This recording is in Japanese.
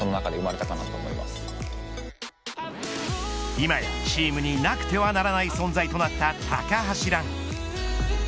今やチームになくてはならない存在となった高橋藍。